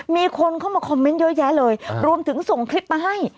มีคนเข้ามาคอมเมนต์เยอะแยะเลยรวมถึงส่งคลิปมาให้